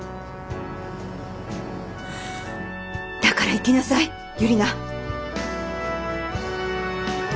だから行きなさいユリナ。